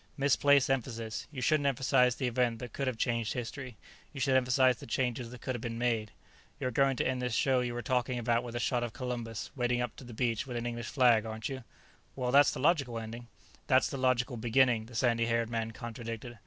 "Misplaced emphasis. You shouldn't emphasize the event that could have changed history; you should emphasize the changes that could have been made. You're going to end this show you were talking about with a shot of Columbus wading up to the beach with an English flag, aren't you?" "Well, that's the logical ending." "That's the logical beginning," the sandy haired man contradicted.